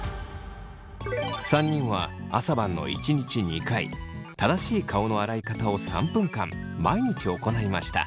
３人は朝晩の１日２回正しい顔の洗い方を３分間毎日行いました。